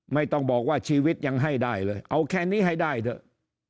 ไม่ต้องบอกว่าชีวิตยังให้ได้เลยเอาแค่นี้ให้ได้เถอะ